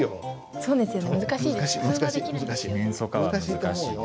そうですね。